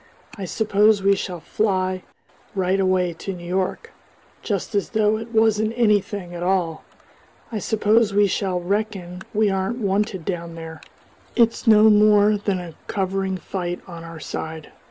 I suppose we shall fly right away to New York just as though it wasn't anything at all. I suppose we shall reckon we aren't wanted down there. It's no more than a covering fight on our side.